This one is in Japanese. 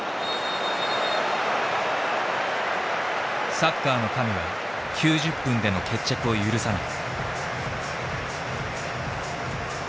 サッカーの神は９０分での決着を許さない。